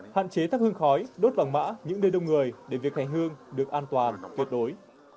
hạn chế thắc hương khói đốt vàng mã những nơi đông người để việc hành hương được an toàn tuyệt đối